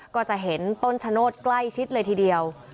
ก็จะเห็นต้นชะโนธใกล้ชิดเลยทีเดียว